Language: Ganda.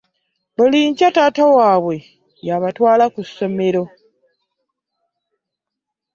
Buli nkya taata waabwe yabatwala ku ssomero.